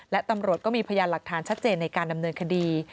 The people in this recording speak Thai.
และตำรวจก็มีพยานหลักฐานชัดเจนในการดำเนินคดี